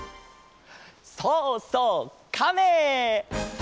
そうそうカメ！